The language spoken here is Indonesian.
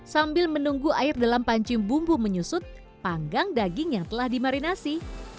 sambil menunggu air dalam pancing bumbu menyusut panggang daging yang telah dimarinasi